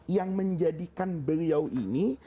yang menjadikan beliau ini